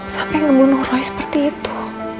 sampai ngebunuh roy seperti itu